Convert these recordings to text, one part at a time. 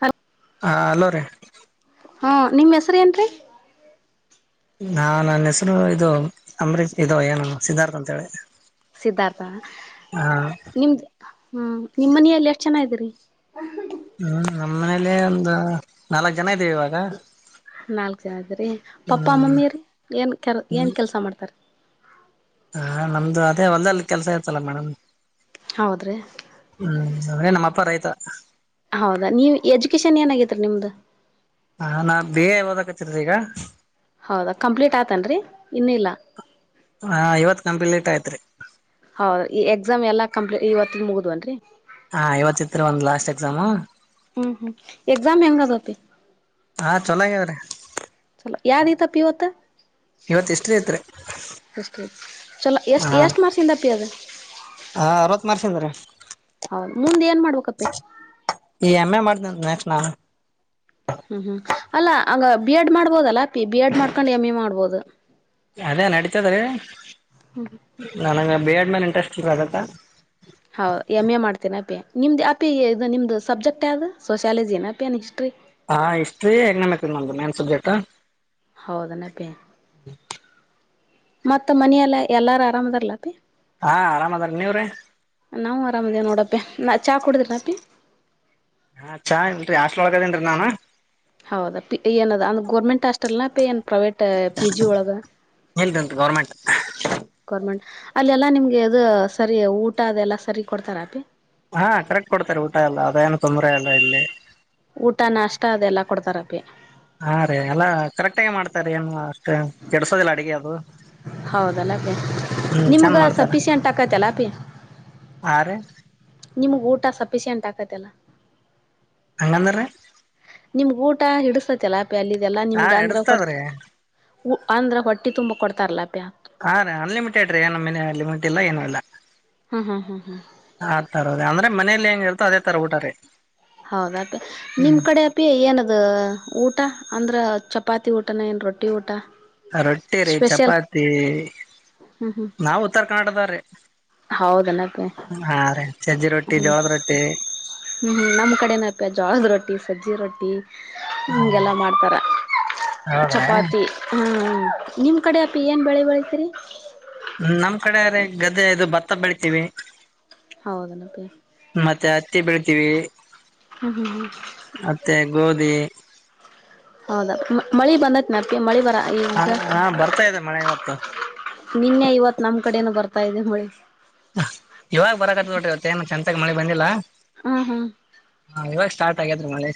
ಹಲ್ ಹಾ ಅಲ್ಲೋ ರೀ ಹಾಂ ನಿಮ್ಮ ಹೆಸರು ಏನು ರೀ ನಾ ನನ್ನ ಹೆಸರು ಇದು ಅಂಬರೀಶ್ ಇದು ಏನು ಸಿದ್ಧಾರ್ಥ ಅಂತ ಹೇಳಿ ಸಿದ್ಧಾರ್ಥ ಹ ನಿಮ್ದ್ ಹ್ಮ ನಿಮ ಮನೆಯಲ್ಲಿ ಎಷ್ಟ್ ಚೆನ್ನ ಇದರಿ ಹ್ಮ್ ನಮ್ಮ್ ಮನೇಲಿ ಒಂದು ನಾಲ್ಕ್ ಜನ ಇದ್ದೀವಿ ಇವಾಗ ನಾಲ್ಕ ಜನ ಅದ್ರೀ ಪಾಪ್ಪಾ ಹ್ಮ್ ಮಮ್ಮಿ ರೀ ಏನ್ ಕೆ ಏನ್ ಕೆಲ್ಸ ಮಾಡ್ತಾರ ಹಾ ನಮ್ದು ಅದೇ ಒಂದಲ್ಲಿ ಕೆಲ್ಸ ಇತಲ್ಲ ಮೇಡಮ್ ಹೌದ್ರೀ ನೆ ನಮ್ಮಪ್ಪ ರೈತಾ ಹೌದಾ ನೀ ಎಜುಕೇಶನ್ ಏನಾಗತ್ರಿ ನಿಮ್ದ ಹ ನಾ ಬೇ ಯಾವದ ಕಚರ ಈಗ ಹೌದಾ ಕಂಪ್ಲೀಟ್ ಆತನ್ರಿ ಇನ್ನ ಇಿಲ್ಲ ಇವತ್ ಕಂಪ್ಲೀಟ್ ಹ ಹೌದ ಈ ಎಕ್ಸಾಮ್ ಎಲ್ಲ ಕಂಪ್ಲೀಟ್ ಇವತ್ತ ಮುಗುದ್ವನ್ರರಿ ಹಾ ಇವತ್ತಿತ್ರ ಒಂದ್ ಲಾಸ್ಟ್ ಎಕ್ಸಾಮ್ ಹ್ಮ್ ಹ್ಮ್ ಎಕ್ಸಾಮ್ ಹೆಂಗ್ದತಿ ಹಾ ಚೊಲೋ ಆಗ್ಯಾವ್ರಿ ಚಲೋ ಯ ರತ ಪಿವತ ಇವತ್ ಎಷ್ಟ ಐತ್ ಹಿಸ್ಟ್ರಿ. ಚಲೋ ಎಷ್ಟ್ ಹಾ ಎಷ್ಟ್ ಮಾರ್ಕ್ಸಿಂದಪ್ಪಿ ಅದು ಹಾ ಅರವತ್ ಮರ್ಷ ಅದ್ರ ಹೌದ ಮುಂದೆ ಏನ್ ಮಾಡ್ಬೇಕಪ್ಪಿ ಈ ಎಮ್ಮೆ ಮಾಡ ನ ಸ್ನಾನ ಹ್ಮ್ ಹ್ಮ್ ಅಲ್ಲಾ ಅಂಗ ಬಿ ಎಡ್ ಮಾಡ್ಬೋದಲ್ಲ ಪಿ ಬಿ ಎಡ್ ಮಾಡ್ಕೊಂಡ್ ಎಮ್ ಎ ಮಾಡ್ಬೋದು ಅದೇ ನಡತದ ರೀ ನನಗೆ ಬಿ ಎಡ್ ಮೇಲೆ ಇಂಟ್ರೆಸ್ಟ್ ಇಲ್ ಅದತ್ತ ಹೌ ಎಮ್ ಎ ಮಾಡ್ತೀನ ಅಪ್ಪಿ ನಿಮ್ದು ಅಪಿ ಇದು ನಿಮ್ದು ಸಬ್ಜೆಕ್ಟ್ ಯಾವ್ದು ಸೋಶಿಯಾಲಜಿ ಅಪ್ಪಿ ಏ ಹಿಸ್ಟ್ರಿ ಹಾ ಹಿಸ್ಟ್ರಿ ಎಕ್ನಾಮಿಕ್ ನಮ್ದು ಮೇನ್ ಸಬ್ಜೆಕ್ಟ್ ಹೌದನ ಪ ಮತ್ತ ಮನೆಯಲ್ಲ ಎಲ್ಲಾರು ಆರಾಮದರ್ಲತಿ ಹಾ ಆರಾಮ್ ಅದಾರ ನೀವ್ರೀ ನಾವು ಆರಾಮಿದೇ ನೋಡಪ್ಪಿ ನಾ ಚಾಹ ಕುಡುದ್ರಿಲ್ಲ ಅಪಿ ಹಾ ಚಾಹ ಇಲ್ರಿ ಅಷ್ಟಲ್ಳಗದೇನ್ರರಿ ನಾನ್ ಹೌದಾ ಏನದ ಅಂದಂದು ಗೋರ್ಮೆಂಟ್ ಹಾಸ್ಟೆಟಲ್ ನ ಏ ಪ್ರೈವಟ್ ಪಿಜಿ ಒಳಗ ಇಲ್ದಂತ ಗೌರ್ಮೆಂಟ್ ಗೌರ್ಮೆಂಟ್ ಅಲ್ಲಿ ಎಲ್ಲಾ ನಿಮ್ಗೆ ಅದು ಸರಿ ಊಟ ಅದೆ ಎಲ್ಲಾ ಸರಿ ಕೊಡ್ತಾರ ಅಪಿ ಹಾ ಕರೆಕ್ಟ್ ಕೊಡ್ತಾರೆ ಊಟ ಎಲ್ಲ ಅದೇಏನು ತೊಂದರೆ ಅಲ್ಲ ಇಲ್ಲಿ ಊಟ ನಾಷ್ಟ ಅದೆಲ್ಲಾ ಕೊಡ್ತಾರಪಿ ಹಾ ರೀ ಎಲ್ಲಾ ಕರೆಕ್ಟಗೆ ಮಾಡ್ತಾರ ಏನು ಅಷ್ಟೇ ಕೆಡಸೋದಿಲ್ಲ ಅಡಗೆ ಅದು ಹೌದಲ್ಲ ಅಪ್ಪೀ ಹ್ಮ್ ಚಂದ ನಿಮ್ಗೆ ಮಾಡ್ತಾರ ಸಫಿಶಿಯೆಂಟ್ ಆಾಕತಲ್ಲ ಅಪಿ ಹಾ ರೀ ನಿಮಗ್ ಊಟ ಸಫಿಶಿಯೆಂಟ್ ಆಕತ್ತಲ್ಲ ಅಂಗಂದ್ರ ರಿ ನಿಮ್ಗ್ ಊಟ ಹಿಡಿಸತತಿಲ್ಲ ಅಪ ಅಲ್ಲಿದೆಲ್ಲಾ ಹಾ ನಿಮ್ಗ ಅಂದ್ರ ಕೊಡ್ತು ಎಡಸ್ತದ್ರಿ ಅಂದ್ರೆ ಹೊಟ್ಟಿ ತುಂಬ ಕೊಡ್ತಾರಲ್ಲ ಹಾ ರೀ ಅನ್ಲಿಮಿಟೆಡ್ ರೀ ಏನ ಮನೆ ಲಿಮಿಟ್ ಇಲ್ಲ ಏನೂ ಇಲ್ಲ ಹ್ಮ್ ಹ್ಮ್ ಹ್ಮ್ ಹ್ಮ್ ಆ ತರದ ಅಂದ್ರೆ ಮನೇಲಿ ಹೆಂಗ ಹೇಳ್ತೋ ಅದೇ ತರ ಊಟಾರಿ ಹೌದಪಿ ನಿಮ್ ಕಡೆ ಅಪಿ ಏನದ ಊಟ ಅಂದ್ರೆ ಚಪಾತಿ ಊಟನ ಏನು ರೊಟ್ಟಿ ಊಟ ರೊಟ್ಟಿ ರೀ ಸ್ಪೆಷಲ್ ಚಪಾತಿ ಹ್ಮ್ ಹ್ಮ್ ನಾವ್ ಉತ್ತರ ಕರ್ನಾಟಕದ ರಿ ಹೋದ ನೆಪಿ ಜೋಳದ ರೊಟ್ಟಿ ನಮ್ಮ ಕಡೆ ಜೋಳದ ರೊಟ್ಟಿ ಸಜ್ಜಿ ರೊಟ್ಟಿ ಹೀಗೆಲ್ಲ ಮಾಡ್ತಾರೆ ಹೌದ್ರಾ ಚಪಾತಿ ಹ್ಞ ನಿಮ್ ಕಡೆ ಅಪಿ ಏನ್ ಬೆಳೆ ಬೆಳತೀರಿ ನಮ್ ಕಡೆ್ರ ಗದ್ದೆ ಇದು ಭತ್ತ ಬೆಳತೀವಿ ಹೌದನಪ್ಪಿ ಬೆಳತೀವಿ ಹ್ಮ ಹ್ಮ್ ಗೋಧಿ ಹೌದಾ ಮಳಿ ಬಂದ ನನಪಿ ಮಳಿ ಬಂದ ಈಗ ಹಾ ಬರ್ತಾ ಇದೆ ಮಳೆ ಇವತ್ತು ನಿನ್ನೆ ಇವತ್ ನಮ್ ಕಡೆನು ಬರ್ತ ಬರ್ತಾ ಇದೆ ಮಳೆ ಇವಾಗ ಬರಕತ್ಟಿ ಇವತ್ತ ಏನ ಚೆಂತಾಗ ಮಳೆ ಬಂದಿಲ್ಲ ಹ್ಮ ಹ್ಮ್ ಹಾ ಇವಾಗ ಸ್ಟಾರ್ಟ್ ಆಗ್ಯಾದ ರೀ ಮಳೆ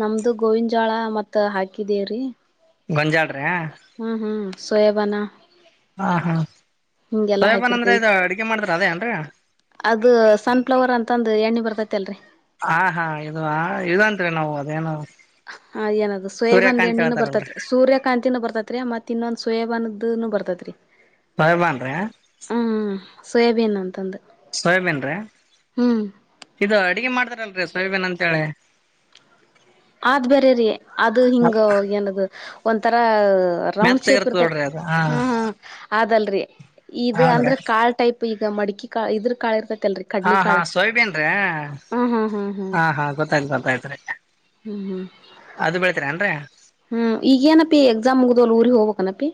ನಮ್ದು ಗೋವಿಂದ ಜಾಳ ಮತ್ತ್ ಹಾಕಿದೀ ರೀ ಗಂಜಾಟ ಹ್ಮ್ ಹ್ಮ್ ಸೋಯಬಾನ ಹಾ ಹಾ ಸೋಯಬನ್ ಅಂದ್ರೆ ಹಾಕಿರ್ತಿವಿ ಇ ಅಡಗೆ ಮಾಡ್ದ್ರ ಅದೇ ಏನ್ರ ಅದು ಸನ್ ಫ್ಲವರ್ ಅಂತಂದ ಎಣ್ಣೆ ಬರ್ತತಿ ಹಾ ಹಾ ಇದು ಇದಂತ್ರಿ ನಾವು ಅದೇನು ಹ ಅದ ಹೆನಾದದು ಸೋಯಬಂದ ಸೂರ್ಯಕಾಂತ್ ಎಣ್ಣಿನ ಬರ್ತತಿ ಹೇಳ್ತಾರಲ್ರರಿ ಸೂರ್ಯಕಾಂತಿನು ಬರ್ತತ್ರಿ ಮತ್ತ ಇನ್ನೊಂದು ಸೋಯಬನ್ದನು ಬರ್ತತಿ [unintelligible] ಸೋಯಬೀನ್ ಅಂತಂದು ಸೋಯಬನ್ರೀ ಹ್ಮ್ ಇದು ಅಡಗೆ ಮಾಡ್ದಾರಲ್ ಸೋಯಾಬೀನ್ ಅಂತೇಳಿ ಆದ್ ಬೇರೆ ರೀ ಅದು ಹಿಂಗ ಏನದು ಒಂಥರಾ ರೌಂಡ್ ಶೇಪ್ ಮೆತ್ತಗಿರ್ತದ ನೋಡ್ರಿ ಅದು ಹಾ ಅದಲ್ರೀ ಇದು ಹೌದ್ರಿ ಅಂದ್ರೆ ಕಾಲ್ ಟೈಪ್ ಈಗ ಮಡಿಕಿ ಕಾ ಇದ್ರ ಕಾಲರ್ದ ಹಾ ಹಾ ಸೋಯ್ಬೀನ್ ರೀ ಹಾ ಹಾ ಗೊತ್ತಾಯ್ತ ಗೊತ್ತಾಯ್ತ್ ರೀ ಹ್ಮ್ ಹ್ಮ್ ಅದು ಬೆಳ್ತರ ಅಏನ್ರ ಹ್ಮ್ ಈಗೇನಪಿ ಎಕ್ಸಾಮ್ ಮುಗ್ದ್ಲ್ ಊರಿಗೆ ಹೋಗ್ಬೇಕನಪಿ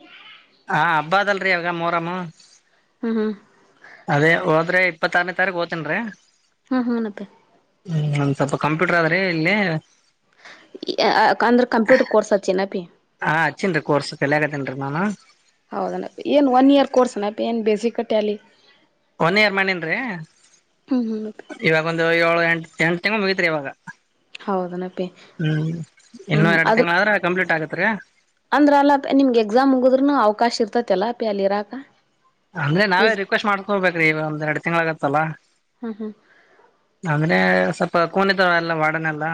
ಹ ಹಬ್ಬ ಅದಲ್ರರಿ ಅವಾಗ ಮೋರಮ್ಮ ಹ್ಮ್ ಹ್ಮ್ ಅದೇ ಹೋದ್ರೆ ಇಪ್ಪತ್ತಾರನೇ ತಾರೀಕುಓ್ತನ್ ರೀ ಹಾ ಹನತ್ತೆ ಹ್ಮ್ ಒಂದ್ ಸ್ವಲ್ಪ ಕಂಪ್ಯೂಟರ್ ಆದ್ರೆ ಇಲ್ಲಿ ಅಂದ್ರೆ ಕಂಪ್ಯೂಟರ್ ಕೋರ್ಸ್ ಹಚ್ಚಿನಪಿ ಹಾ ಹಚ್ಚೇನ್ರಿ ಕೋರ್ಸ ಕಲ್ಗತೇನ್ರಿ ನಾನು ಹೌದಣ್ಣಪ್ಪ ಏನ್ ಒನ್ ಇಯರ್ ಕೋರ್ಸ್ ಅನಪ್ಪ ಏನ್ ಬೇಸಿ ಕಟ್ಟೆ ಅಲ್ಲಿ ಒನ್ ಇಯರ್ ಮನನ್ ಹ್ಮ್ ಹ್ಮ್ ಇವಾಗ ಒಂದು ಏಳು ಎಂಟ ಎಂಟ ಮುಗತ್ ಇವಾಗ ಹೌದನಪಿ ಹ್ಮ್ ಹ್ಮ್ ಇನ್ನೂ ಹ್ಮ್ ಎರಡು ಅದು ತಿಂಗಳ ಆದ್ರೆ ಕಂಪ್ಲೀಟ್ ಆಗುತ್ತೆ ಅತ್ರ ಅಂದ್ರ ಅಲ್ಲ ನಿಮ್ಗೆ ಎಕ್ಸಾಮ್ ಮುಗುದ್ನು ಅವಕಾಶ ಇರ್ತತಿ ಅಲ್ಲ ಅ ಪಿ ಅಲ್ಲಿ ಇರಾಕ ಅಂದ್ರೆ ನಾವೇ ರಿಜ ರಿಕ್ವೆಸ್ಟ್ ಮಾಡ್ಕೋಬೇಕ್ರೀ ಈ ಒಂದ್ ಎರಡ್ ತಿಂಗಳ ಆಗತ್ತಲ್ಲ ಹಾ ಹಾ ಅಂದ್ರೆ ಸ್ವಲ್ಪ ಕೋನೆತ ಎಲ್ಲ ವಾಡನೆಲ್ಲ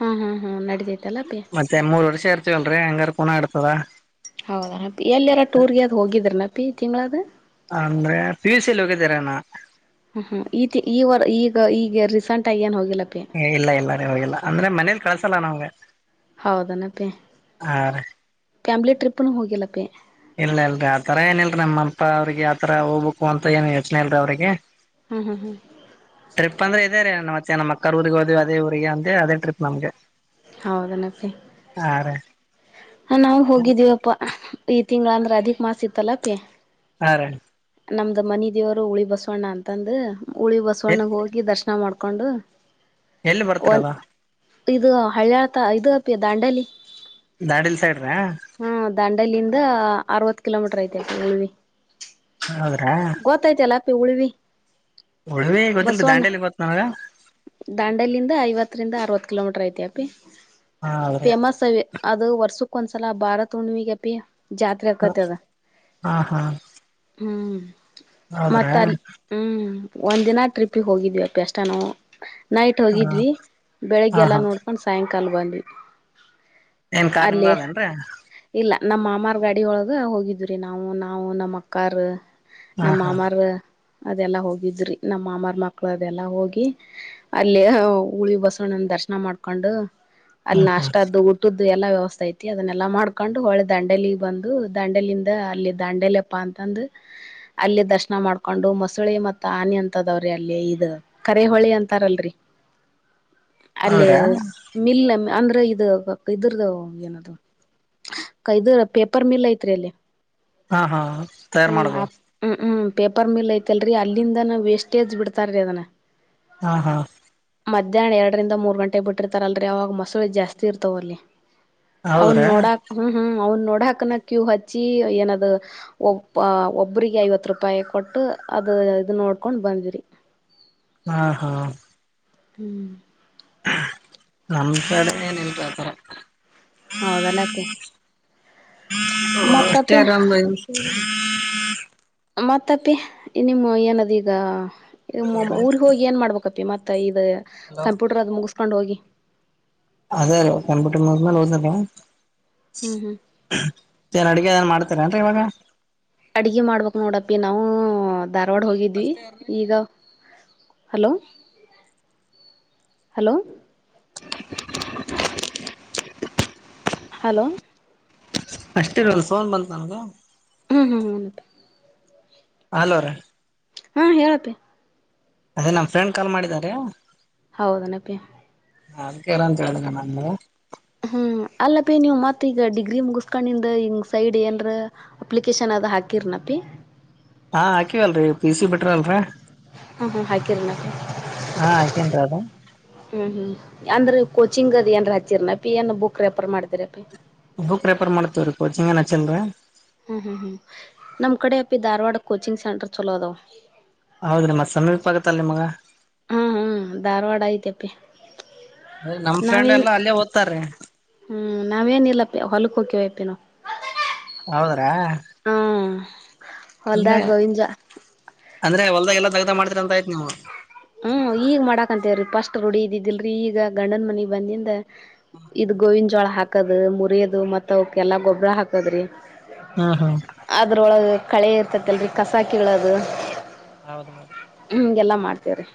ಹಾ ಹಾ ಹಾ ನಡಿತೈತಲ್ಲ ಪಿ ಮತ್ತೆ ಮೂರಡೆ ಸೇರ್ತವಲ್ರರಿ ಹಂಗಾರ ಕೂನ ಆಡ್ತದ ಹೌದಾನಿ ಎಲ್ಲಾರ ಟೂರ್ಗೆ ಅದ್ ಹೋಗಿದ್ರನಪ್ಪಿ ತಿಂಗಳದು ಅಂದ್ರೆ ಪಿ ಯು ಸಿಲ್ಲಿ ಹೋಗಿದ್ದೀರನಾ ಹ ಹ್ಮ ಈ ಈ ವ ಈಗ ಈಗ ರೀಸೆಂಟ್ ಆಗಿ ಏನ್ ಹೋಗಿಲ್ಲ ಇಲ್ಲ ಇಲ್ಲ ರ ಹೋಗಿಲ್ಲ ಅಂದ್ರೆ ಮನೇಲಿ ಕಳ್ಸಲ್ಲ ನಾವ್ಗೆ ಹೌದನಪ್ಪೇ ಫ್ಯಾಮಿಲಿ ಟ್ರಿಪ್ನು ಹೋಗಿಲ್ಲಪ್ಪೇ ಇಲ್ಲ ಇಲ್ರರಿ ಆತರ ಏನಲ್ರರಿ ನಮ್ಮಪ್ಪ ಅವ್ರಿಗೆ ಆತರ ಹೋಗ್ಬೇಕು ಅಂತ ಏನ್ ಯೋಚನೆ ಇಲ್ರರಿ ಅವ್ರಿಗೆ ಹಾ ಹಾ ಹಾ ಟ್ರಿಪ್ ಅಂದ್ರೆ ಇದೇ ರ ನಮ್ಮತ್ತ ಸಏನ ಮಕ್ಕರ್ ಊರಿಗೆ ಹೋದ್ ಅದೇ ಊರಿಗೆ ಅದೇ ಟ್ರಿಪ್ ನಮ್ಗೆ ಹೌದನತ್ತೆ ಹಾ ರೀ ಹ ನಾವು ಹೋಗಿದ್ದಿವವಪ್ಪ ಈ ತಿಂಗಳ ಅಂದ್ರೆ ಅದಿಕ್ ಮಾಸ ಇತ್ತಲ್ಲಪೇ ಹ ರಣ ನಮ್ದ ಮನ ದೇವರು ಹುಳಿ ಬಸವಣ್ಣ ಅಂತಂದ ಹುಳಿ ಬಸವಣ್ಣಗೆ ಹೋಗಿ ದರ್ಶನ ನಾವು ಮಾಡ್ಕೊಂಡು ಎಲ್ಲಿ ಒಂದ್ ಬರ್ತಾರದ ಇದು ಹಳಿಯಳ್ತ ಇದು ಅಪಿ ದಾಂಡಲಿ ದಾಂಡೇಲಿ ಸೈಡ್ ರಾ ಹಾ ದಾಂಡಲ್ಲಿಂದ ಅರವತ್ ಕಿಲೋಮೀಟರ್ ಐತೆವಿ ಹೌದ್ರಾ ಉಳವಿ ಉಳವಿ ಗೊತ್ತಿಲ್ರಿ ಬಸವಣ್ಣ ದಾಂಡೇಲಿ ಗೊತ್ತ ನನಗ ದಾಂಡಲಂದ ಐವತ್ತು ಹತ್ತರಿಂದ ಅರವತ್ ಕಿಲೋಮೀಟರ್ ಐತಿ ಅಪಿ ಹಾ ಹೌದ್ರಿ ಫೇಮಸ್ ಅ ಅದು ವರ್ಷಕ್ ಒಂದ್ಸಲ ಭಾರತ್ ಉುಣಿವಗಪಿ ಹ ಹಾ ಹಾ ಹ್ಮ್ ಮತ್ತ ಹೌದ್ರಾ ಅಲ್ಲಿ ಹ್ಮ್ ಒಂದ್ ದಿನ ಟ್ರಿಪ್ಪಿಗೆ ಹೋಗಿದಿವವಿ ಅಪ್ಪ ಅಷ್ಟ ನಾವು ನೈಟ್ ಹಾ ಹೋಗಿದ್ವಿ ಹಾ ಬೆಳಿಗ್ಗೆಲ್ಲ ಹಾ ನೋಡ್ಕೊಂಡು ಸಾಯಂಕಾಲ ಬಂದ್ವಿ ಏನ್ ಕಾರ್ ನಿಮ್ದ ಅಲ್ಲಿ ಅದೇನ್ರ ಇಲ್ಲ ನಮ್ಮ ಮಾಮಾರ್ ಗಾಡಿ ಒಳಗ ಹೋಗಿದ್ ನಾವು ನಾವು ನಮ್ಮ್ ಅಕ್ಕಾರ ಹಾ ನಮ್ಮ ಹಾ ಮಾಮಾರ ಅದೆಲ್ಲಾ ಹೋಗಿದ್ರಿ ನಮ್ಮ ಮಾಮಾರ್ ಮಕ್ಕಳ ಅದೆಲ್ಲಾ ಹೋಗಿ ಅಲ್ಲಿ ಹುಳಿ ಬಸವಣ ದರ್ಶನ ಮಾಡ್ಕೊಂಡು ಅಲ್ಲಿ ಹ್ಮ್ ಹ್ಮ್ ನಾಷ್ಟ್ದು ಇದು ಎಲ್ಲಾ ವ್ಯವಸ್ಥೆ ಐತಿ ಅದನ್ನೆಲ್ಲಾ ಮಾಡ್ಕೊಂಡು ಹಳೆ ದಂಡೆಲಿ ಬಂದು ದಂಡೆಲಿಂದ ಅಲ್ಲಿ ದಂಡೆಲೆಪ್ಪ ಅಂತ ತಂದು ಅಲ್ಲಿ ದರ್ಶನ ಮಾಡ್ಕೊಂಡು ಮಸುಳಿ ಮತ್ತು ಆನೆ ಅಂತದವ್ರಿ ಅಲ್ಲಿ ಇದ ಕರಿಹೊಳಿ ಅಂತಾರಲ್ರರಿ ಅಲ್ಲಿ ಹೌದ್ರಾ ಮಿಲ್ಲ ಅಂದ್ರೆ ಇದು ಕೈದರ್ದ ಏನದು ಕೈದುರ್ ಪೇಪರ್ ಮಿಲ್ ಐತ್ರಿ ಅಲ್ಲಿ ಹಾ ಹಾ ತಯಾರು ಹ್ಮ್ ಮಾಡದು ಹ್ಮ್ ಹ್ಮ್ ಪೇಪರ್ ಮಿಲ್ ಐತಲ್ರರಿ ಅಲ್ಲಿಂದನ ವೇಸ್ಟೇಜ್ ಬಿಡ್ತಾರೀ ಅದನ ಹಾ ಹಾ ಮಧ್ಯಾಹ್ನ ಎರಡರಿಂದ ಮೂರು ಗಂಟೆಗೆ ಬಿಟ್ಟಿರ್ತಾರಲ್ರಿ ಆವಾಗ ಮಸಳೆ ಜಾಸ್ತಿ ಇರ್ತಾವ ಅಲ್ಲಿ ಅವನ್ ಹೌದ್ರಾ ನೋಡಾಕ್ ಹ್ಮ್ ಹ್ಮ್ ಅವ್ನ್ ನೋಡ ಗ ಹಾಕನ ಕ್ಯೂ ಹಚ್ಚಿ ಏನದು ಒಬ್ ಒಬಿಗೆ ಐವತ್ತು ರೂಪಾಯಿ ಕೊಟ್ಟು ಅದು ಇ ನೋಡ್ಕೊಂಡ್ ಬಂದ್ರಿ ಹಾ ಹಾ ಹ್ಮ್ ನಮ್ ಕಡೆ ಏನಲ್ ಆತರ ಹೌದಲ್ಲಪ್ಪಿ ಅಷ್ಟತೆೇ ಮತ್ತಪ್ಪಿ ಆರಾಮದಾಯ ಮತ್ತಪ್ಪಿ ನಿಮ್ಮ ಏನದ್ ಈಗ ಊರ್ ಹೋಗಿ ಏನ್ ಮಾಡ್ಬೇಕಪ್ಪಿ ಮತ್ತ ದ ಹಲೋ ಕಂಪ್ಯೂಟರ್ ಅದು ಮುಗಸ್ಕೊಂಡ್ ಹೋಗಿ ಅೇ ಅ ಕಣಪಟ್ಟ ಮೂೋ ಹ್ಮ್ ಹ್ಮ್ ನ್ ಅಡ್ಗೆ ದನ್ ಮಾಡ್ತೀರ ಏನ್ರಿ ಇವಾಗ ಅಡಗೆ ಮಾಡ್ಬೇಕಕ್ ನೋಡಪ್ಪಿ ನಾವು ಧಾರವಾಡ ಹೋಗಿದ್ವಿ ಈಗ ಹಲೋ ಹಲೋ ಹಲೋ ಅಷ್ಟೇ ಇರಲ್ಲ ಸೋನ್ ಬಂತ ನನ್ಗ ಹ್ಮ ಹ್ಮ ಹ ಹಲೋ ರ ಹಾ ಹೇಳಪ್ಪೆ ಅದೇ ನಮ್ ಫ್ರೆಂಡ್ ಕಾಲ್ ಮಾಡಿದಾರ ಹೌದ ನಪಿ ಹ ಅದಕ್ಕೆ ಾರ ಕೇಳಂಗ ನಂದ ಹ್ಮ್ ಅಲ್ಲ ಬೀ ನೀ್ ಮತ್ತ ಈಗ ಡಿಗ್ರಿ ಮುಗಸ್ಕೊಂಡಿಂದ ಹಂಗ ಸೈಡ್ ಏನ್ರ ಅಪ್ಲಿಕೇಶನ್ ಅ ಅ ಹಾಕಿರ್ನಪ್ಪಿ ಹಾ ಹಾಕಿವಲ್ರರಿ ಪಿ ಸಿ ಬಿಟ್ರ ಅಲ್ರರಿ ಹ್ಮ್ ಹ್ಮ್ ಹಾಕಿರ ಹಾ ಹಾಕೇನ್ರಿ ಅದು ಹ್ಮ್ ಹ್ಮ್ ಅಂದ್ರೆ ಕೋಚಿಂಗ್ ಅ್ ಏನ್ ಹಾಚಿರ್ನಪಿ ಏನ್ ಬುಕ್ ರೆಫರ್ ಮಾಡತಿರ ಪಿ ಬುಕ್ ರೆಫರ್ ಮಾಡತ ಕೋಚಿಂಗ ನ ಚಂದ ಹ್ಮ್ ಹ್ಮ್ ಹ್ಮ್ ನಮ್ಮ್ ಕಡೆ ಅಪಿ ಧಾರವಾಡ ಕೋಚಿಂಗ್ ಸೆಂಟರ್ ಚಲೋ ಅದಾವ ಹೌದ್ರಿ ಮತ್ ಸಮೀಪ ಆಗತ್ತಲ್ ನಿಮ್ಗ ಹ್ಮ್ ಹ್ಮ್ ಧಾರವಾಡ ಆಐ್ತಪ್ಪಿ ಅದೇ ನಮ್ ಫ್ರೆಂಡ್ ಎಲ್ಲಾ ಅಲ್ಲೇ ಓದ್ತಾರೆ ಹ್ಮ್ ನಾವೇಏನ ಇಿಲ್ಲಪ್ಪ ಹೊಲಕ್ ಹೋಗಕಿವವಯಪನ ಹೌದ್ರಾ ಅಂದೆ ಹೊಲ್ದಾಗ ಗೋವಿಂಜ ಅಂದ್ರೆ ಹೊಲದಲ್ಲಿಎಲ್ಲ ಕೆಲಸ ಮಾಡ್ತೀರ ಅಂತ ಅಂತ ಇದನು ಹ್ಮ್ ಈಗ ಮಾಡಕಂತೇವ್ರೀ ಪಫಸ್ಟ್ ರುಡಿ ಇದ್ದಿದ್ದಿಲ್ರರಿ ಈಗ ಗಂಡನ್ ಮನಿಗ್ ಬಂದಿಂದ ಇದ್ ಗೋವಿನ ಜೋಳ ಹಾಕದ ಮುರಿಯೋದು ಮತ್ತತ್ ಅವಕ ಎಲ್ಲಾ ಗೊಬ್ಬ್ರ ಹಾಕದ್ರಿ ಹಾ ಹಾ ಅದ್ರೊಳಗೆ ಕಳೆ ಇರ್ತತಿ ಅಲ್ರರಿ ಕಸಾಕಿಗಳ ಅದು ಹೌದೌದು ಹೀಗೆಲ್ಲ ಮಾಡ್ತೀವ್ರೀ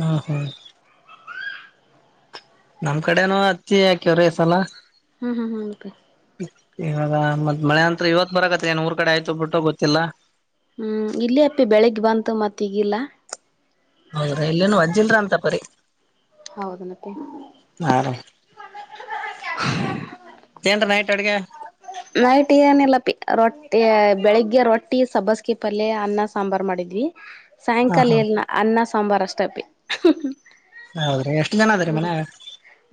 ಹಾ ಹಾ ನಮ್ ಕಡೆನುೂ ಅಚ್ಚಿ ಯಾಕ್ಯವ್ರೀಸಲ ಹ್ಮ್ ಹಾ ಹ ಗಕೆ ಇವಾಗ ಮತ್ತ್ ಮಳೆ ಅಂತತ್ ಇವತ್ ಬರತ್ ಏನ್ ಊರ್ ಕಡೆ ಆಯ್ತು ಬಿಟ್ಟ ಗೊತ್ತಿಲ್ಲ ಹ್ಮ್ ಇಲ್ಲಿ ಅಪ್ಪಿ ಬೆಳಿಗ್ ಬಂತು ಮತ್ತ ಈಗಿಲ್ಲ ಹೌದ್ರಾ ಇಲ್ಲೇನು ಅಜ್ಜಿಲ್ರ ಅಂತ ಪರಿ ಹೌದನಪ್ಪಿ ಹ ದ ನ [inaudible] ಚಗ [unintelligible] ನೈಟ್ ಏನಿಲ್ಲ ರೊಟ್ಟಿ ಬೆಳಿಗ್ಗೆ ರೊಟ್ಟಿ ಸಬಸ್ಕಿ ಪಲ್ಯ ಅನ್ನ ಸಾಂಬಾರಾರ್ ಮಾಡಿದ್ವಿ ಹಾ ಸಾಯಂಕಾಲ ಹಾ ಎ ಅನ್ನ ಸಾಂಬಾರ್ ಹ್ಮ್ ಹೌದ್ರಿ ಎಷ್ಟ್ ಜನ ಅದ್ರೀ ಮನ್ಯಾಗ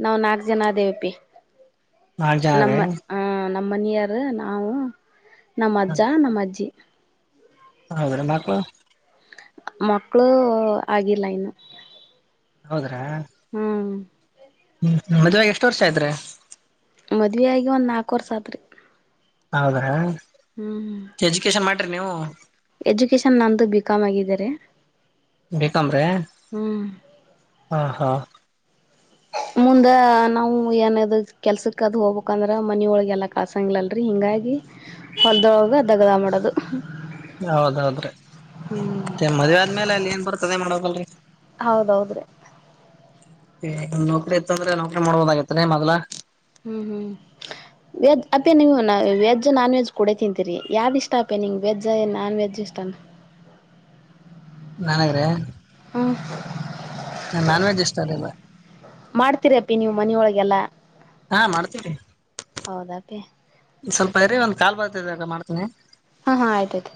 ನಾವ್ ನಾಕ್ ಜನ ಅ [unintelligible] ವಪಿ ನಾಲ್ಕ್ ಜನ ನಮ್ಮ ರೀ ಹ ನಮ್ಮನಿಯರು ನಾವು ನಮ್ಮ ಅಜ್ಜಾ ನಮ್ಮ ಅಜ್ಜಿ ಹೌದ್ರ ಮಾಕ್ಕಲು ಮಕ್ಕಳು ಆಗಿಲ್ಲ ಇನ್ನು ಹೌದ ಹ್ಮ್ ಹ್ಮ್ ಮದುವೆಯಾಗಿ ಎಷ್ಟು ವರ್ಷ ಆಯತು ರಿ ಮದುವೆ ಆಗಿ ಒಂದ್ ನಾಲ್ಕ ವರ್ಷಾದ್ರಿ ಹೌದ್ರಾ ಎಜುಕೇಶನ್ ಮಾಡ್ರಿ ನೀವು ಎಜುಕೇಶನ್ ನಂದು ಬಿಕಾಮ್ ಆಗಿದ್ದಾರೆ ಬಿಕಮ್ ರಿ ಹ್ಮ್ ಹಾ ಹಾ ಹ್ಮ ಮುಂದೆ ನಾವು ಏನಾದ ಕೆಲ್ಸಕ್ಕ ಅದು ಹೋಗ್ಬೇಕಂದ್ರೆ ಮನೊಳಗೆಲ್ಲ ಕಾಸಂಗಲ್ಲಲ್ರರಿ ಹೀಂಗಾಗಿ ಹೊಲ್ದೊಳಗ ದಗಲ ಮಾಡೋದು ಹೌದೌದ್ರಿ ಮತ್ತೆ ಮದ್ವೆ ಆದ್ಮೇಲೆ ಅಲ್ಲಿ ಏನ್ ಬರ್ತದೆ ಮಾಡಕಲ್ರರಿ ಹೌದ್ರೆ ಏ ನೌಕ್ರರಿ ಇತ್ತ ಅಂದ್ರೆ ನೌಕ್ರರಿ ಮಾಡ್ಬೋದಗೇತ್ರಿ ಮೊದ್ಲ ಹ್ಮ್ ಹ್ಮ್ ವೆಜ್ ಅ ನೀ ವೆಜ್ ನಾನ್ ವೆಜ್ ಕುಡೆ ತಿಂತೀರಿ ಯಾವ್ದು ಇಷ್ಟ ಅಪೆನಿಂ ವೆಜ್ ನಾನ್ ವೆಜ್ಜ್ ಇಷ್ಟಾನ ನನಗ್ರೆ ವೆಜ್ ಇಷ್ಟ ರೀ ಮಾಡ್ತೀರಪ್ಪಿ ನೀವು ಮನ ಒಳಗೆ ಹಾ ಮಾಡ್ತೀರಿ ಹೌದಾ ಅಪ್ಪಿ ಸ್ವಲ್ಪ ಇರಿ ಒಂದ್ ಕಾಲ್ ಬರ್ತಿದಾಗ ಮಾಡ್ತೀನಿ ಹಾ ಹಾ ಆಯ್ತ ಆಯ್ತು